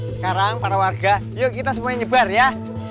sekarang para warga yuk kita semuanya nyebar ya